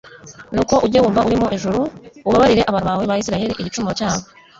nuko ujye wumva uri mu ijuru ubabarire abantu bawe ba isirayeli igicumuro cyabo